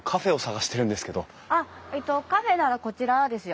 あっカフェならこちらですよ。